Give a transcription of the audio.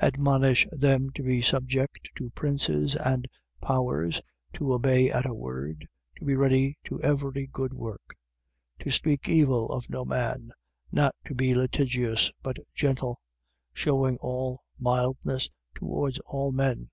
Admonish them to be subject to princes and powers, to obey at a word, to be ready to every good work. 3:2. To speak evil of no man, not to be litigious but gentle: shewing all mildness towards all men. 3:3.